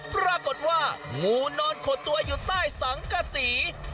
ปรากฏว่างูนอนขดตัวอยู่ใต้สังกษี